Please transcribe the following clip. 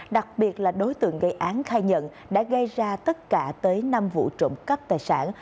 đặc biệt là đối tượng gây án khai nhận đã gây ra tất cả tới năm vụ trộm cắp tài sản